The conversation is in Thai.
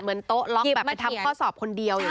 เหมือนโต๊ะล็อกแบบไปทำข้อสอบคนเดียวอย่างนี้ใช่ไหม